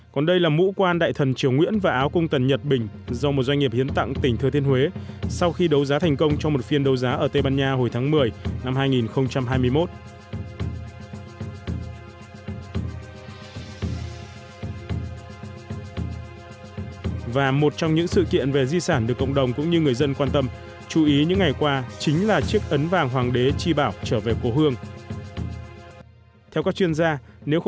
còn đây là mũ quan đại thần triều nguyễn và áo cung tần nhật bình do một doanh nghiệp hiến tặng tỉnh thừa thiên huế